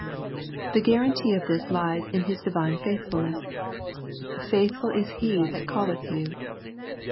The guarantee of this lies in His Divine faithfulness. " Faith ful is He that calleth you."